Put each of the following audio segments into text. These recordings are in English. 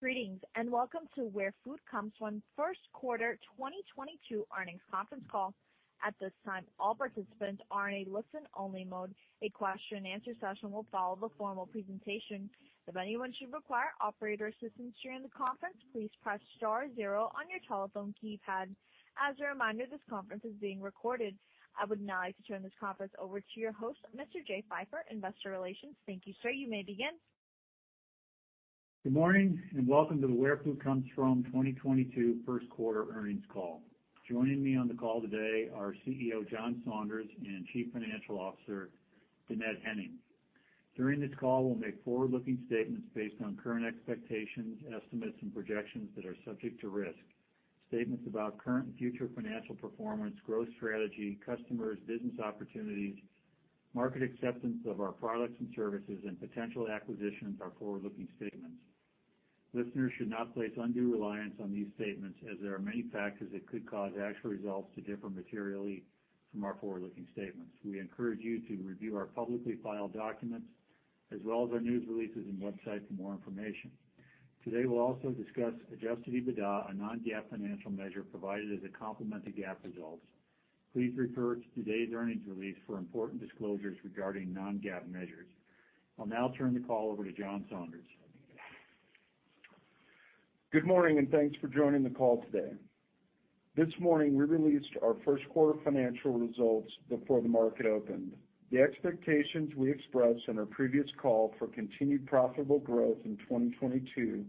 Greetings, and welcome to Where Food Comes From first quarter 2022 earnings conference call. At this time, all participants are in a listen-only mode. A question-and-answer session will follow the formal presentation. If anyone should require operator assistance during the conference, please press star zero on your telephone keypad. As a reminder, this conference is being recorded. I would now like to turn this conference over to your host, Mr. Jay Pfeiffer, Investor Relations. Thank you, sir. You may begin. Good morning, and welcome to the Where Food Comes From 2022 first quarter earnings call. Joining me on the call today are CEO, John Saunders, and Chief Financial Officer, Dannette Henning. During this call, we'll make forward-looking statements based on current expectations, estimates, and projections that are subject to risk. Statements about current and future financial performance, growth strategy, customers, business opportunities, market acceptance of our products and services, and potential acquisitions are forward-looking statements. Listeners should not place undue reliance on these statements as there are many factors that could cause actual results to differ materially from our forward-looking statements. We encourage you to review our publicly filed documents as well as our news releases and website for more information. Today, we'll also discuss adjusted EBITDA, a non-GAAP financial measure provided as a complement to GAAP results. Please refer to today's earnings release for important disclosures regarding non-GAAP measures. I'll now turn the call over to John Saunders. Good morning, and thanks for joining the call today. This morning, we released our first quarter financial results before the market opened. The expectations we expressed on our previous call for continued profitable growth in 2022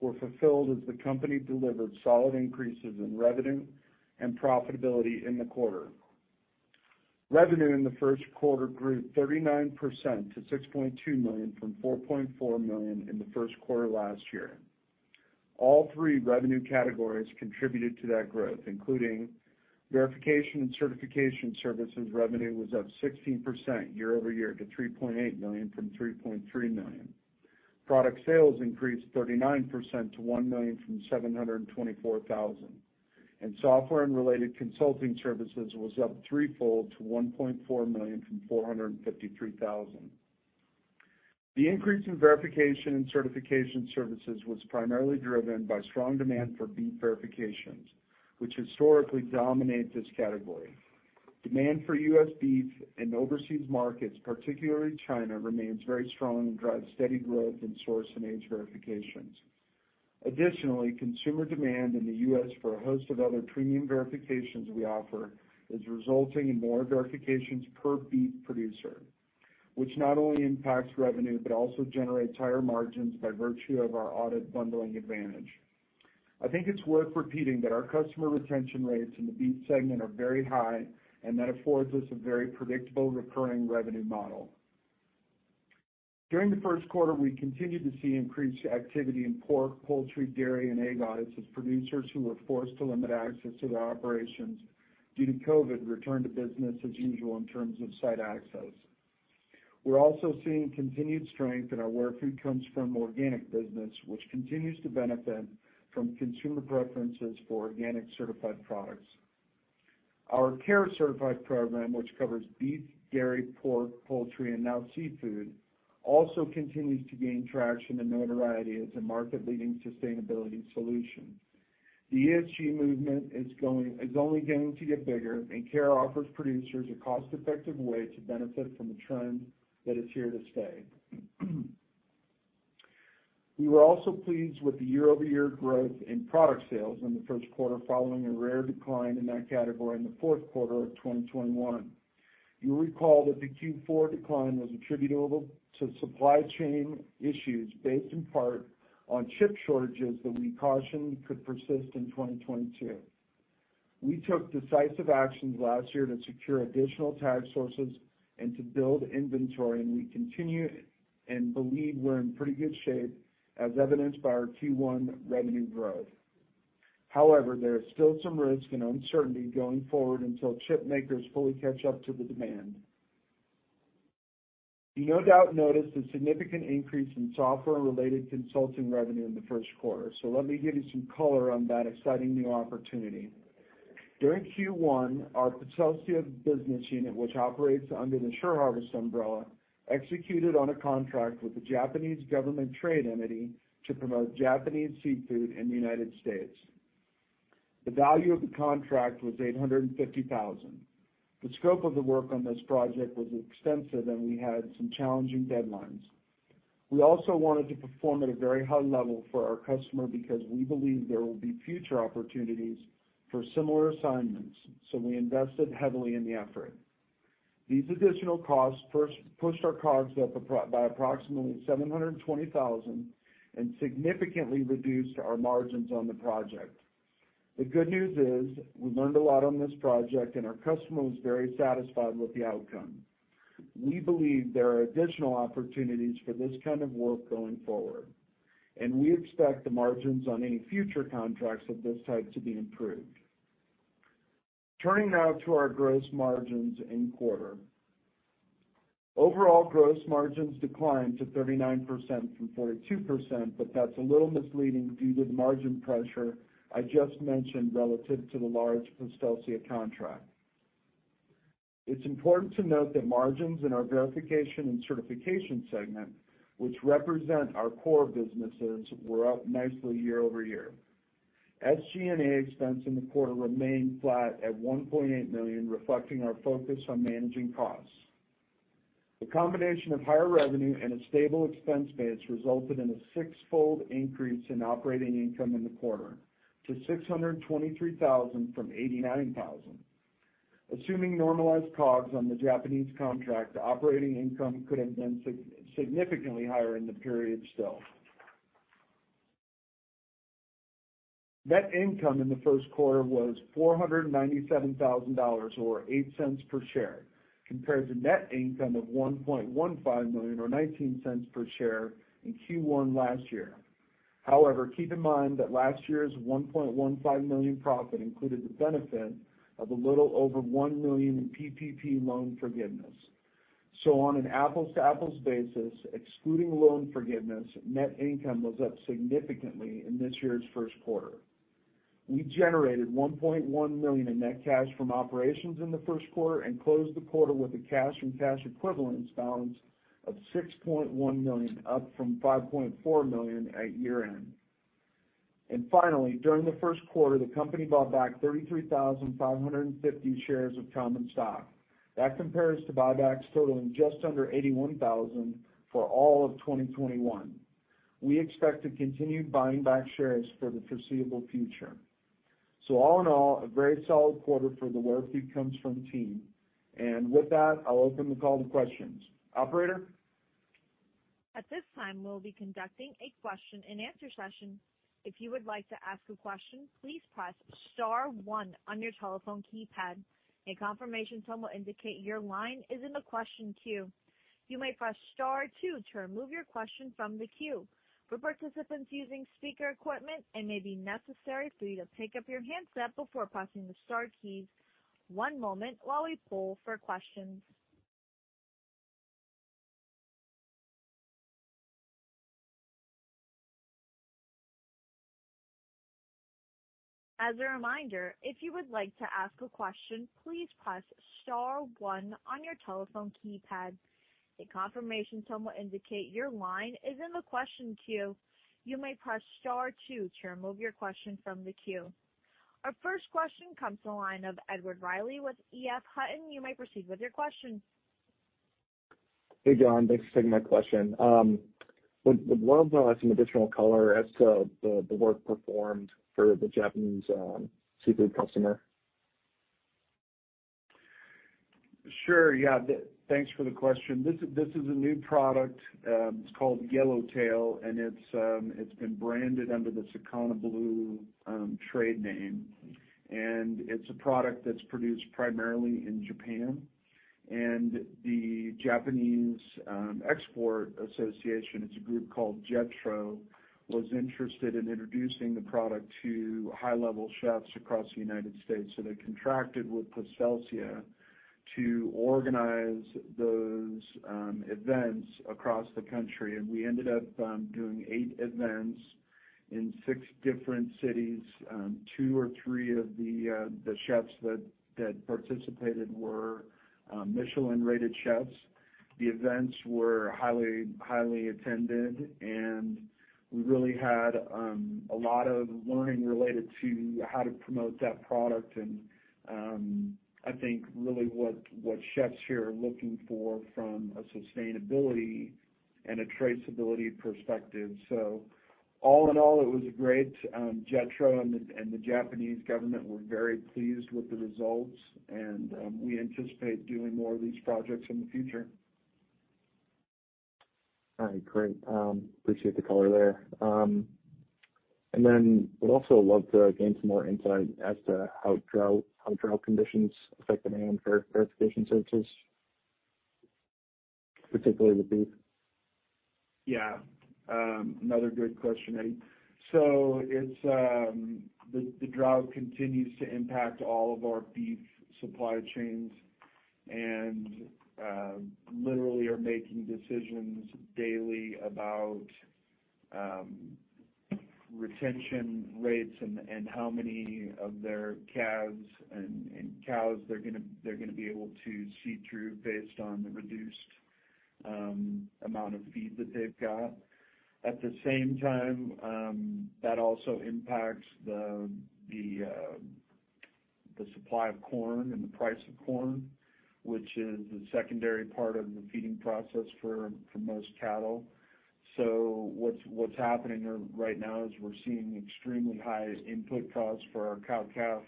were fulfilled as the company delivered solid increases in revenue and profitability in the quarter. Revenue in the first quarter grew 39% to $6.2 million from $4.4 million in the first quarter last year. All three revenue categories contributed to that growth, including verification and certification services revenue was up 16% year-over-year to $3.8 million from $3.3 million. Product sales increased 39% to $1 million from $724,000. Software and related consulting services was up threefold to $1.4 million from $453,000. The increase in verification and certification services was primarily driven by strong demand for beef verifications, which historically dominate this category. Demand for U.S. beef in overseas markets, particularly China, remains very strong and drives steady growth in source and age verifications. Additionally, consumer demand in the U.S. for a host of other premium verifications we offer is resulting in more verifications per beef producer, which not only impacts revenue, but also generates higher margins by virtue of our audit bundling advantage. I think it's worth repeating that our customer retention rates in the beef segment are very high, and that affords us a very predictable recurring revenue model. During the first quarter, we continued to see increased activity in pork, poultry, dairy, and egg audits as producers who were forced to limit access to their operations due to COVID return to business as usual in terms of site access. We're also seeing continued strength in our Where Food Comes From organic business, which continues to benefit from consumer preferences for organic certified products. Our CARE Certified program, which covers beef, dairy, pork, poultry, and now seafood, also continues to gain traction and notoriety as a market-leading sustainability solution. The ESG movement is only going to get bigger, and CARE offers producers a cost-effective way to benefit from a trend that is here to stay. We were also pleased with the year-over-year growth in product sales in the first quarter following a rare decline in that category in the fourth quarter of 2021. You'll recall that the Q4 decline was attributable to supply chain issues based in part on chip shortages that we cautioned could persist in 2022. We took decisive actions last year to secure additional tag sources and to build inventory, and we continue and believe we're in pretty good shape as evidenced by our Q1 revenue growth. However, there is still some risk and uncertainty going forward until chip makers fully catch up to the demand. You no doubt noticed a significant increase in software and related consulting revenue in the first quarter, so let me give you some color on that exciting new opportunity. During Q1, our Postelsia business unit, which operates under the SureHarvest umbrella, executed on a contract with the Japanese government trade entity to promote Japanese seafood in the United States. The value of the contract was $850,000. The scope of the work on this project was extensive, and we had some challenging deadlines. We also wanted to perform at a very high level for our customer because we believe there will be future opportunities for similar assignments, so we invested heavily in the effort. These additional costs first pushed our COGS up by approximately $720,000 and significantly reduced our margins on the project. The good news is we learned a lot on this project, and our customer was very satisfied with the outcome. We believe there are additional opportunities for this kind of work going forward, and we expect the margins on any future contracts of this type to be improved. Turning now to our gross margins in quarter. Overall gross margins declined to 39% from 42%, but that's a little misleading due to the margin pressure I just mentioned relative to the large Postelsia contract. It's important to note that margins in our verification and certification segment, which represent our core businesses, were up nicely year-over-year. SG&A expense in the quarter remained flat at $1.8 million, reflecting our focus on managing costs. The combination of higher revenue and a stable expense base resulted in a six-fold increase in operating income in the quarter to $623,000 from $89,000. Assuming normalized COGS on the Japanese contract, operating income could have been significantly higher in the period still. Net income in the first quarter was $497,000 or $0.08 per share compared to net income of $1.15 million or $0.19 per share in Q1 last year. However, keep in mind that last year's $1.15 million profit included the benefit of a little over $1 million in PPP loan forgiveness. On an apples-to-apples basis, excluding loan forgiveness, net income was up significantly in this year's first quarter. We generated $1.1 million in net cash from operations in the first quarter and closed the quarter with a cash and cash equivalents balance of $6.1 million, up from $5.4 million at year-end. Finally, during the first quarter, the company bought back 33,550 shares of common stock. That compares to buybacks totaling just under $81,000 for all of 2021. We expect to continue buying back shares for the foreseeable future. All in all, a very solid quarter for the Where Food Comes From team. With that, I'll open the call to questions. Operator? At this time, we'll be conducting a question-and-answer session. If you would like to ask a question, please press star one on your telephone keypad. A confirmation tone will indicate your line is in the question queue. You may press star two to remove your question from the queue. For participants using speaker equipment, it may be necessary for you to pick up your handset before pressing the star keys. One moment while we poll for questions. As a reminder, if you would like to ask a question, please press star one on your telephone keypad. A confirmation tone will indicate your line is in the question queue. You may press star two to remove your question from the queue. Our first question comes to the line of Edward Reilly with EF Hutton. You may proceed with your question. Hey, John. Thanks for taking my question. Would one of y'all add some additional color as to the work performed for the Japanese seafood customer? Sure. Yeah. Thanks for the question. This is a new product. It's called Yellowtail, and it's been branded under the Sakana Blue trade name. It's a product that's produced primarily in Japan. The Japanese Export Association, it's a group called JETRO, was interested in introducing the product to high-level chefs across the United States. They contracted with Postelsia to organize those events across the country. We ended up doing eight events in six different cities. Two or three of the chefs that participated were Michelin-rated chefs. The events were highly attended, and we really had a lot of learning related to how to promote that product and I think really what chefs here are looking for from a sustainability and a traceability perspective. All in all, it was great. JETRO and the Japanese government were very pleased with the results, and we anticipate doing more of these projects in the future. All right. Great. Appreciate the color there. Would also love to gain some more insight as to how drought conditions affect demand for verification services, particularly with beef. Yeah. Another good question, Eddie. The drought continues to impact all of our beef supply chains and literally are making decisions daily about retention rates and how many of their calves and cows they're gonna be able to see through based on the reduced amount of feed that they've got. At the same time, that also impacts the supply of corn and the price of corn, which is the secondary part of the feeding process for most cattle. What's happening here right now is we're seeing extremely high input costs for our cow-calf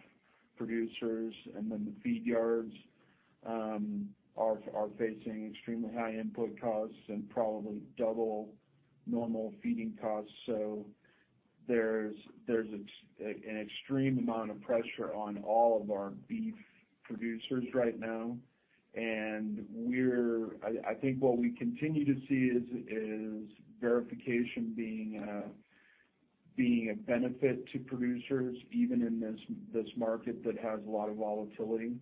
producers, and then the feed yards are facing extremely high input costs and probably double normal feeding costs. There's an extreme amount of pressure on all of our beef producers right now. I think what we continue to see is verification being a benefit to producers even in this market that has a lot of volatility.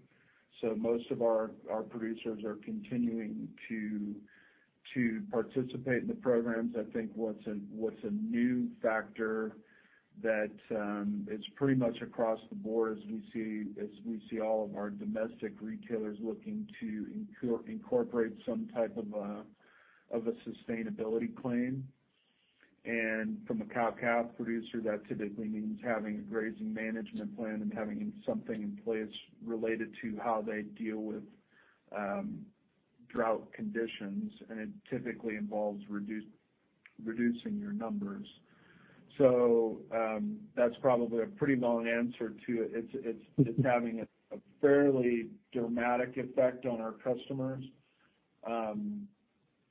Most of our producers are continuing to participate in the programs. I think what's a new factor that it's pretty much across the board as we see all of our domestic retailers looking to incorporate some type of a sustainability claim. From a cow-calf producer, that typically means having a grazing management plan and having something in place related to how they deal with drought conditions. It typically involves reducing your numbers. That's probably a pretty long answer to it. It's having a fairly dramatic effect on our customers.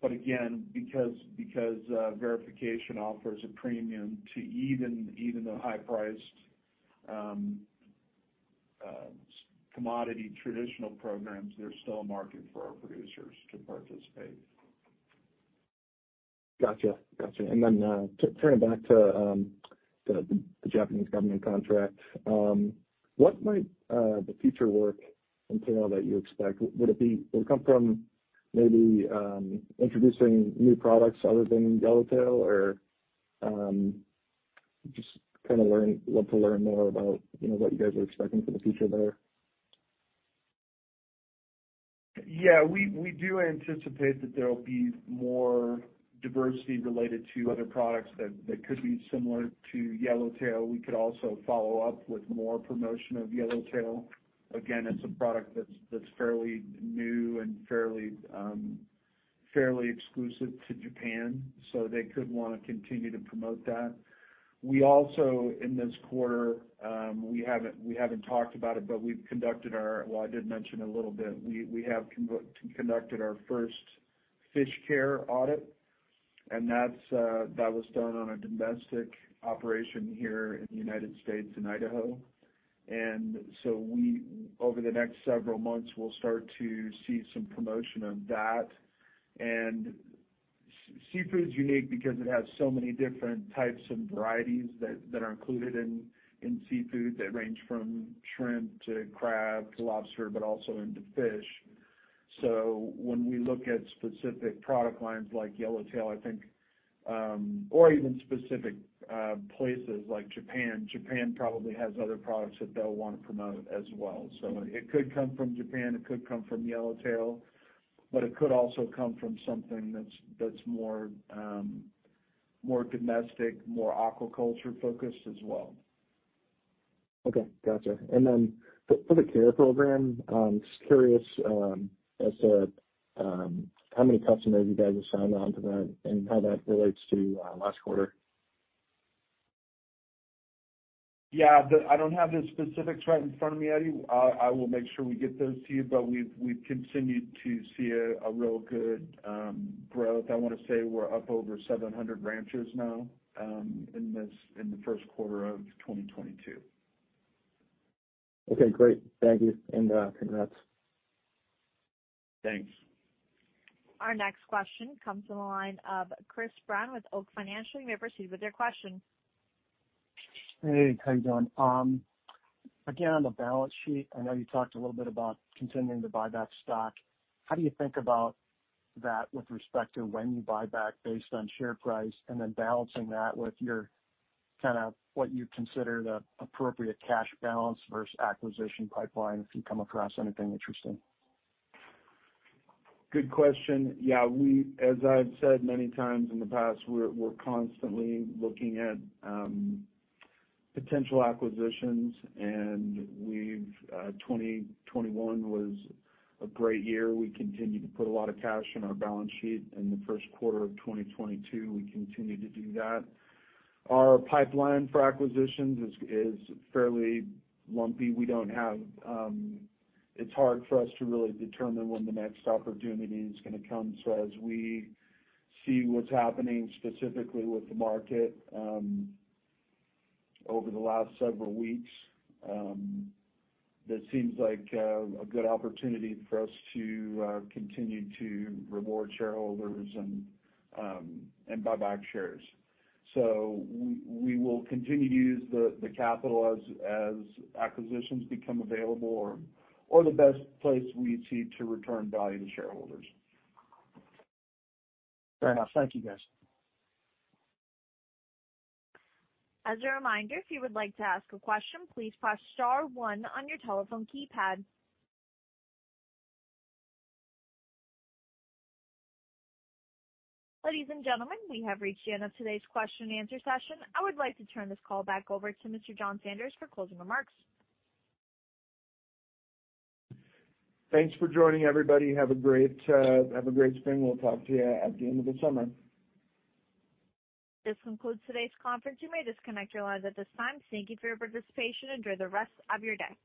Again, because verification offers a premium to even the high-priced commodity traditional programs, there's still a market for our producers to participate. Gotcha. Turning back to the Japanese government contract, what might the future work entail that you expect? Would it come from maybe introducing new products other than Yellowtail? Or, just kinda love to learn more about, you know, what you guys are expecting for the future there. Yeah. We do anticipate that there'll be more diversity related to other products that could be similar to Yellowtail. We could also follow up with more promotion of Yellowtail. Again, it's a product that's fairly new and fairly exclusive to Japan, so they could wanna continue to promote that. We also, in this quarter, we haven't talked about it, but we've conducted our first FishCARE audit. Well, I did mention a little bit. We have conducted our first FishCARE audit, and that was done on a domestic operation here in the United States, in Idaho. Over the next several months, we'll start to see some promotion on that. Seafood's unique because it has so many different types and varieties that are included in seafood that range from shrimp to crab to lobster, but also into fish. When we look at specific product lines like Yellowtail, I think, or even specific places like Japan probably has other products that they'll wanna promote as well. It could come from Japan, it could come from Yellowtail, but it could also come from something that's more domestic, more aquaculture-focused as well. Okay. Gotcha. For the CARE program, just curious, as to how many customers you guys have signed on to that and how that relates to last quarter. Yeah. I don't have the specifics right in front of me, Edward. I will make sure we get those to you. We've continued to see a real good growth. I wanna say we're up over 700 ranches now, in the first quarter of 2022. Okay. Great. Thank you. Congrats. Thanks. Our next question comes from the line of Chris Brown with Oak Financial. You may proceed with your question. Hey, how you doing? Again, on the balance sheet, I know you talked a little bit about continuing to buy back stock. How do you think about that with respect to when you buy back based on share price, and then balancing that with your kind of what you consider the appropriate cash balance versus acquisition pipeline, if you come across anything interesting? Good question. Yeah. As I've said many times in the past, we're constantly looking at potential acquisitions and we've 2021 was a great year. We continued to put a lot of cash on our balance sheet. In the first quarter of 2022, we continued to do that. Our pipeline for acquisitions is fairly lumpy. We don't have. It's hard for us to really determine when the next opportunity is gonna come. As we see what's happening specifically with the market, over the last several weeks, that seems like a good opportunity for us to continue to reward shareholders and buy back shares. We will continue to use the capital as acquisitions become available or the best place we see to return value to shareholders. Fair enough. Thank you, guys. As a reminder, if you would like to ask a question, please press star one on your telephone keypad. Ladies and gentlemen, we have reached the end of today's question and answer session. I would like to turn this call back over to Mr. John Saunders for closing remarks. Thanks for joining, everybody. Have a great spring. We'll talk to you at the end of the summer. This concludes today's conference. You may disconnect your lines at this time. Thank you for your participation. Enjoy the rest of your day.